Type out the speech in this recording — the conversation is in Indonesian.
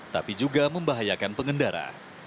tapi juga membahayakan pengendara